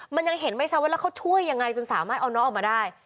มันยังเห็นไม่ชัดว่าแล้วเขาช่วยยังไงจนสามารถเอาน้องออกมาได้